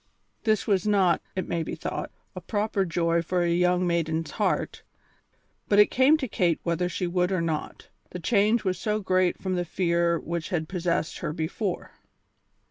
This was not, it may be thought, a proper joy for a young maiden's heart, but it came to Kate whether she would or not; the change was so great from the fear which had possessed her before.